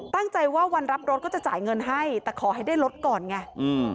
ตั้งใจว่าวันรับรถก็จะจ่ายเงินให้แต่ขอให้ได้รถก่อนไงอืม